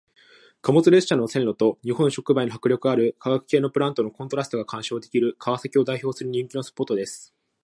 貨物列車の線路と日本触媒の迫力ある化学系のプラントのコントラストが鑑賞できる川崎を代表する人気のスポットです。